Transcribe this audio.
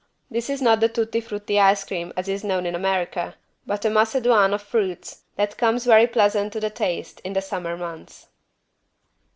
This is not the =tutti frutti= ice cream as is known in America, but a =macédoine= of fruits, that comes very pleasant to the taste in the summer months.